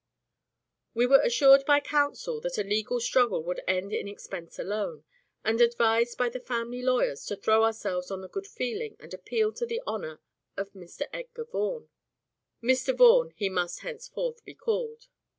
We were assured by counsel that a legal struggle could end in expense alone, and advised by the family lawyers to throw ourselves on the good feeling and appeal to the honour of Mr. Edgar Vaughan. Mr. Vaughan he must henceforth be called.